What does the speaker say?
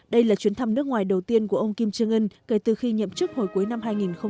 đây là chuyến thăm nước ngoài đầu tiên của ông kim jong un kể từ khi nhậm chức hồi cuối năm hai nghìn một mươi